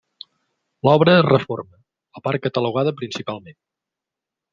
L'obra es reforma, la part catalogada principalment.